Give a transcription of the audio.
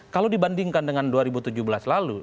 kalau dibandingkan dengan dua ribu tujuh belas lalu